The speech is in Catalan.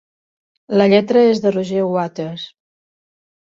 La lletra és de Roger Waters.